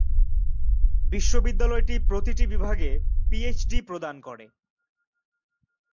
বিশ্ববিদ্যালয়টি প্রতিটি বিভাগে পিএইচডি প্রদান করে।